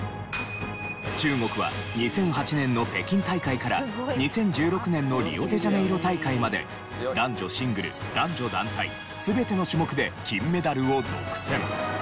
中国は２００８年の北京大会から２０１６年のリオデジャネイロ大会まで男女シングル男女団体全ての種目で金メダルを独占。